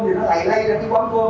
thì nó lạy lây ra cái quán cơm